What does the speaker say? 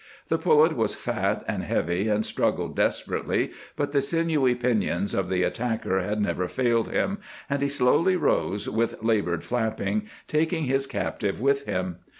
The pullet was fat and heavy and struggled desperately, but the sinewy pinions of the attacker had never failed him, and he slowly arose, with labored flapping, taking his captive with him.